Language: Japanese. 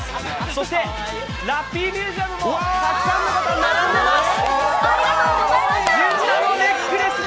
そしてラッピーミュージアムもたくさんの方並んでます！